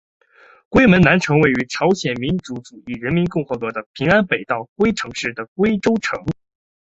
龟城南门位于朝鲜民主主义人民共和国的平安北道龟城市的龟州城。